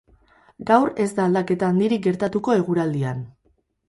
Gaur ez da aldaketa handirik gertatuko eguraldian.